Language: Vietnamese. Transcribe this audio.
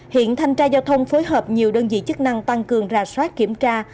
hiện thành tra giao thông phối hợp nhiều đơn vị chức năng tăng cường ra soát kiểm tra